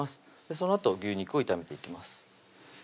そのあと牛肉を炒めていきます